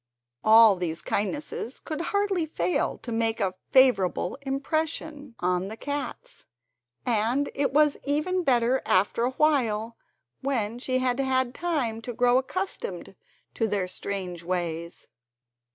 All these kindnesses could hardly fail to make a favourable impression on the cats, and it was even better after a while, when she had had time to grow accustomed to their strange ways.